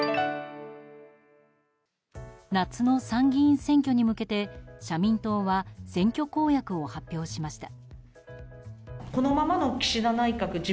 夏の参議院選挙に向けて社民党は選挙公約を発表しました。